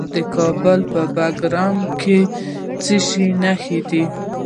د کابل په بګرامي کې د څه شي نښې دي؟